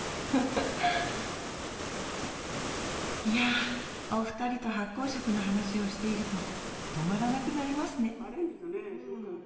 いやお二人と発酵食の話をしていると止まらなくなりますね